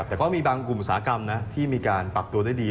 แต่ก็มีบางกลุ่มอุตสาหกรรมนะที่มีการปรับตัวได้ดี